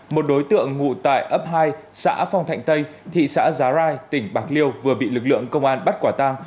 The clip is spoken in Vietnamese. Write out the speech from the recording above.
một đối tượng ngụ tại ấp hai xã phong thạnh tây thị xã giá rai tỉnh bạc liêu vừa bị lực lượng công an bắt quả tang